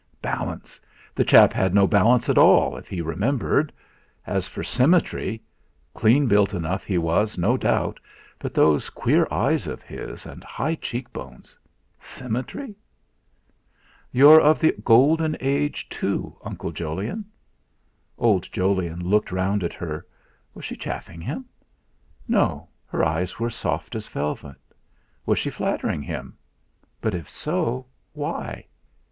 Balance! The chap had no balance at all, if he remembered; as for symmetry clean built enough he was, no doubt; but those queer eyes of his, and high cheek bones Symmetry? "You're of the Golden Age, too, Uncle Jolyon." Old Jolyon looked round at her. Was she chaffing him? No, her eyes were soft as velvet. Was she flattering him? But if so, why?